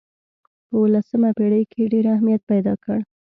په اولسمه پېړۍ کې یې ډېر اهمیت پیدا کړ.